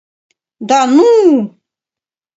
— Да ну?